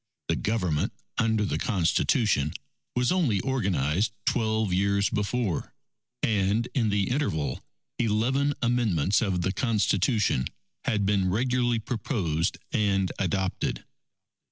The Government under the Constitution, was only organized twelve years before, and in the interval eleven amendments of the Constitution had been regularly proposed and adopted.